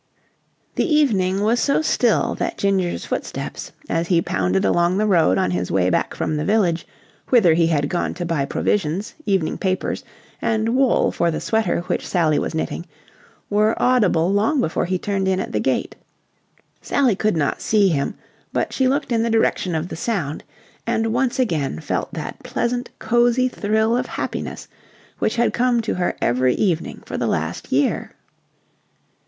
The evening was so still that Ginger's footsteps, as he pounded along the road on his way back from the village, whither he had gone to buy provisions, evening papers, and wool for the sweater which Sally was knitting, were audible long before he turned in at the gate. Sally could not see him, but she looked in the direction of the sound and once again felt that pleasant, cosy thrill of happiness which had come to her every evening for the last year.